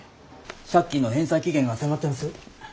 借金の返済期限が迫ってます。